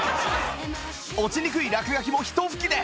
落ちにくい落書きもひと拭きで！